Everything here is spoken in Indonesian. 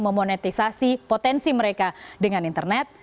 memonetisasi potensi mereka dengan internet